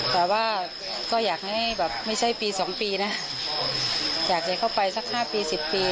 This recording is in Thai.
แต่ว่าก็อยากให้แบบไม่ใช่ปี๒ปีนะอยากจะเข้าไปสัก๕ปี๑๐ปี